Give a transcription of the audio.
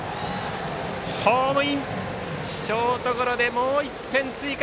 ホームインショートゴロでもう１点追加。